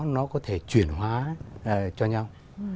nó có thể chuyển hóa cho nhau